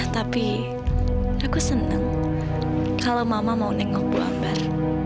tapi aku senang kalau mama mau nengok bu ambar